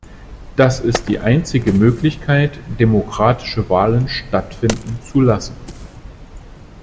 Das ist die einzige Möglichkeit, demokratische Wahlen stattfinden zu lassen.